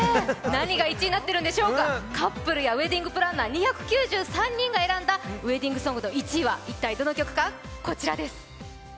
何が１位になってるんでしょうかカップルやウエディングプランナー２９３人が選んだウエディングソングの１位は一体どんな曲か。